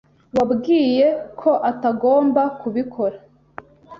Wabwiye ko atagomba kubikora?